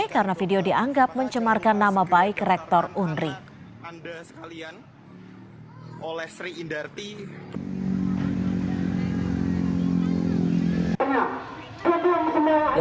karena video dianggap mencemarkan nama baik rektor unri